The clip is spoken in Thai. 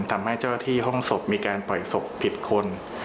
ทำให้เจ้าที่ห้องสบมีการปล่อยสบผิดคน